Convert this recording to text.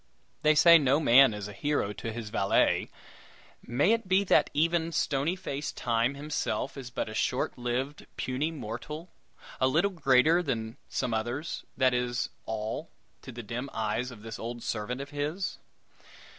They say no man is a hero to his valet; may it be that even stony face Time himself is but a short lived, puny mortal a little greater than some others, that is all to the dim eyes of this old servant of his?